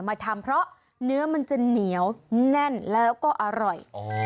มาทำเพราะเนื้อมันจะเหนียวแน่นแล้วก็อร่อย